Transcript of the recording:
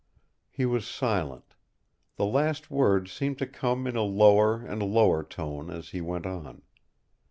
He was silent. The last words seemed to come in a lower and lower tone as he went on.